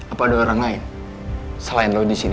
apa ada orang lain selain lo disini